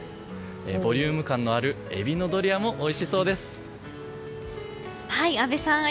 ボリューム感のあるエビのドリアもおいしそうです。